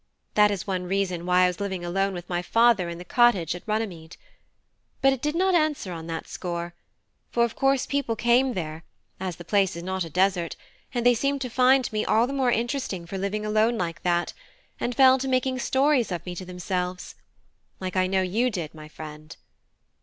That is one reason why I was living alone with my father in the cottage at Runnymede. But it did not answer on that score; for of course people came there, as the place is not a desert, and they seemed to find me all the more interesting for living alone like that, and fell to making stories of me to themselves like I know you did, my friend.